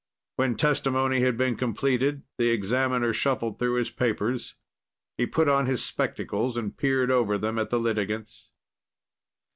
When testimony had been completed, the examiner shuffled through his papers. He put on his spectacles and peered over them at the litigants.